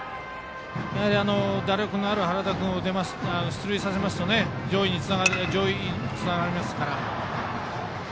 やはり、打力のある原田君を出塁させると上位につながりますから。